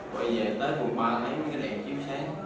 quay về tới phường ba thấy mấy cái đèn chiếu sáng